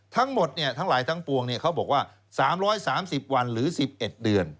ทั้งหมดทั้งหลายทั้งปวงเขาบอกว่า๓๓๐วันหรือ๑๑เดือน